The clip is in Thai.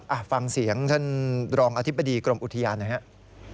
ครับฟังเสียงฉันรองอธิบดีกรมอุทิยานนะครับ